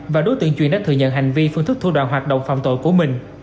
và đối tượng chuyên đã thừa nhận hành vi phương thức thu đoạn hoạt động phạm tội của mình